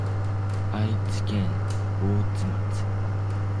愛知県大治町